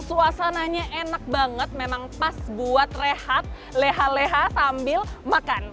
suasananya enak banget memang pas buat rehat leha leha sambil makan